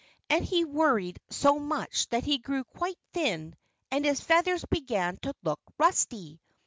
And he worried so much that he grew quite thin and his feathers began to look rusty.